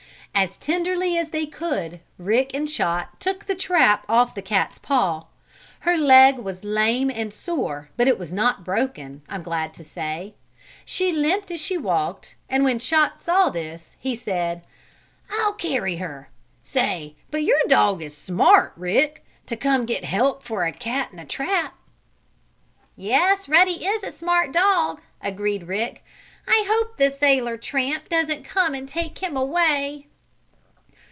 As tenderly as they could, Rick and Chot took the trap off the cat's paw. Her leg was lame and sore, but it was not broken, I'm glad to say. She limped as she walked, and when Chot saw this he said: "I'll carry her! Say, but your dog is smart, Rick, to come to get help for a cat in a trap!" [Illustration: "It's Mrs. Watson's cat, Sallie! She's in a trap!"] "Yes, Ruddy is a smart dog," agreed Rick. "I hope the sailor tramp doesn't come and take him away!"